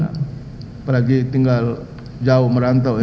apalagi tinggal jauh merantau ya